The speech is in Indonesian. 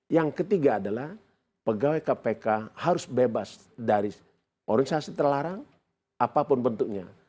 yang ketiga adalah pegawai kpk harus bebas dari organisasi terlarang apapun bentuknya